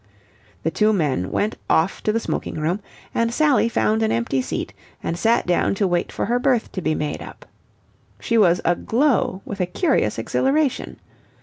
The two men went off to the smoking room, and Sally found an empty seat and sat down to wait for her berth to be made up. She was aglow with a curious exhilaration.